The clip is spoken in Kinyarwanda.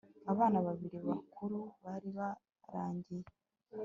abana babiri bakuru bari baragiye